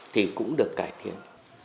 thì cũng được cải thiện